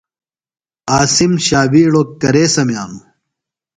عاصم ݜاوِیڑوۡ کرے سمِیانوۡ؟